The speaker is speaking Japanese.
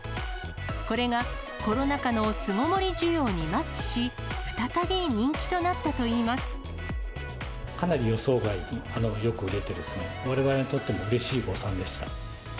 これがコロナ禍の巣ごもり需要にマッチし、再び人気となったといかなり予想外によく売れてですね、われわれにとっても、うれしい誤算でした。